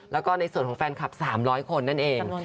แล้วก็ในส่วนของแฟนคลับ๓๐๐คนนั่นเอง